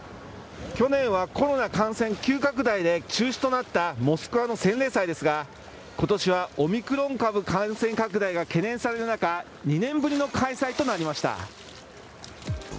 去年はコロナ感染急拡大で中止となったモスクワの洗礼祭ですが、ことしはオミクロン株感染拡大が懸念される中、２年ぶりの開催となりました。